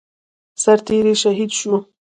سرتيری شهید شو